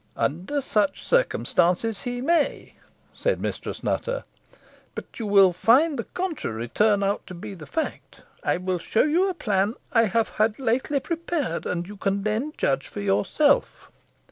"Under such circumstances he may," said Mistress Nutter; "but you will find the contrary turn out to be the fact. I will show you a plan I have had lately prepared, and you can then judge for yourself."